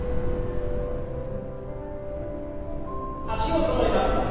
脚をそろえます。